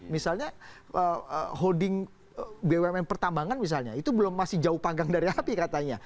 misalnya holding bumn pertambangan misalnya itu belum masih jauh panggang dari api katanya